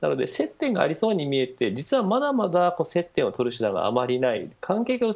なので接点ありそうに見えてまだまだ接点を取る手段はあまりない。